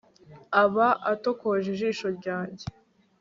aba atokoje ijisho ryanjye